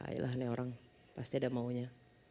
ayolah ini orang pasti ada maunya